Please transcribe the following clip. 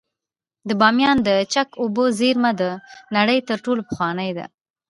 د بامیانو د چک اوبو زیرمه د نړۍ تر ټولو پخوانۍ ده